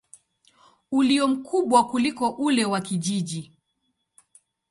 ulio mkubwa kuliko ule wa kijiji.